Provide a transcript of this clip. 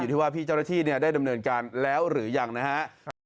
ที่ว่าพี่เจ้าหน้าที่ได้ดำเนินการแล้วหรือยังนะครับ